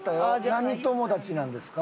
何友達なんですか？